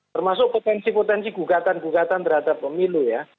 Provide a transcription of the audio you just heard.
termasuk potensi potensi gugatan gugatan terhadap pemilu ya